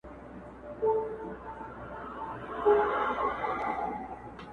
جهاني د ړندو ښار دی هم کاڼه دي هم ګونګي دي،